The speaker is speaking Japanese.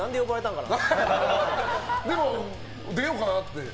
でも、出ようかなって？